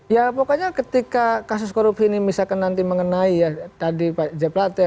ya pokoknya ketika kasus korupsi ini misalkan nanti mengenai ya tadi pak j platte